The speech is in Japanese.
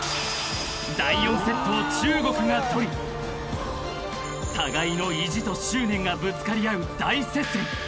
［第４セットを中国が取り互いの意地と執念がぶつかり合う大接戦］